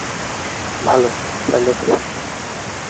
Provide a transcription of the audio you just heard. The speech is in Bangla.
ভাল, পাইলট হও।